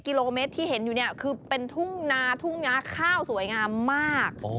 กิโลเมตรที่เห็นอยู่เนี่ยคือเป็นทุ่งนาทุ่งนาข้าวสวยงามมาก